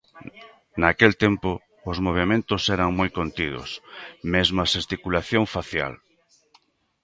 Naquel tempo os movementos eran moi contidos, mesmo a xesticulación facial.